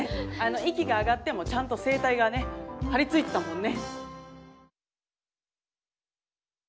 息が上がってもちゃんと声帯がね張り付いてたもんね。